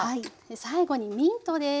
最後にミントです。